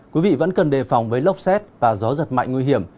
quý vị vẫn cần đề phòng với lốc xét và gió giật mạnh nguy hiểm